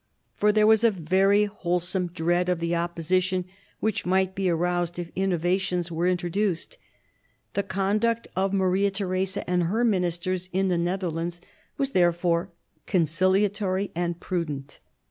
For there was a very wholesome dread of the opposition which might be aroused if innovations were introduced. The conduct of Maria Theresa and her ministers in the Netherlands was therefore conciliatory and prudent.